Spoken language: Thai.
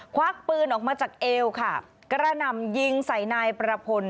ควักปืนออกมาจากเอวค่ะกระหน่ำยิงใส่นายประพล